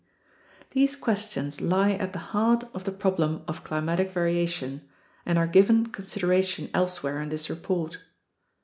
These questions lie at the heart of APPENDIX A 183 the problem of climatic variation and are given consideration elsewhere in this report.